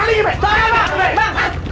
aduh deh maliknya bek